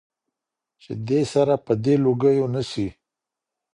چي دي سره په دې لوګيو نه سي